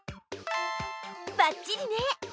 ばっちりね！